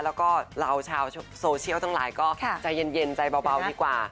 แล้วก็เราชาวโซเชียลทั้งหลายก็ใจเย็นใจเบาดีกว่า